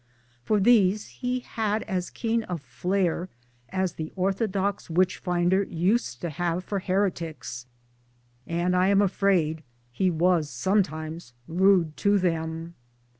For these he had as keen a flair as the orthodox witch finder used to have for heretics; and I am afraid he was sometimes rude to them.